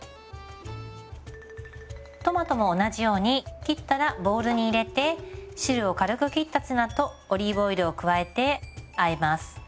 トマトも同じように切ったらボウルに入れて汁を軽く切ったツナとオリーブオイルを加えてあえます。